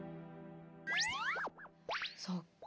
そっか。